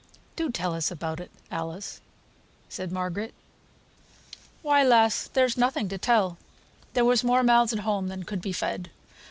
"Do tell us about it, Alice," said Margaret. "Why, lass, there's nothing to tell. There was more mouths at home than could be fed.